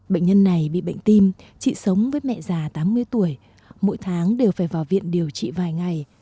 bệnh nhân này bị bệnh tim chị sống với mẹ già tám mươi tuổi mỗi tháng đều phải vào viện điều trị vài ngày